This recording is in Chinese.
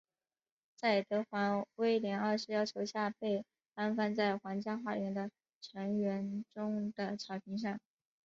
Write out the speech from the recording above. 在德皇威廉二世要求下被安放在皇家花园的橙园中的草坪上。